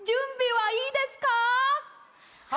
はい。